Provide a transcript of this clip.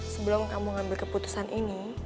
sebelum kamu ngambil keputusan ini